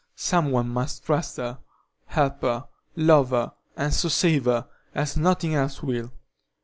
Some one must trust her, help her, love her, and so save her, as nothing else will.